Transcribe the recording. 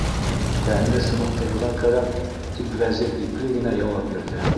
Тәнде сыныҡтырырға кәрәк, - тип Вәзир ипле генә яуап бирҙе.